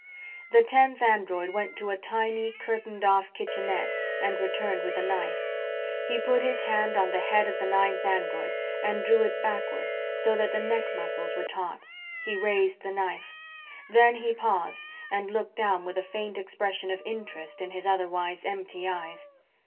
The tenth android went to a tiny curtained off kitchenette and returned with a knife. He put his hand on the head of the ninth android and drew it backward so that the neck muscles were taut. He raised the knife. Then he paused and looked down with a faint expression of interest in his otherwise empty eyes.